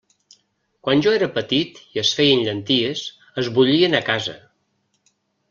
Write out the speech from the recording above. Quan jo era petit i es feien llenties, es bullien a casa.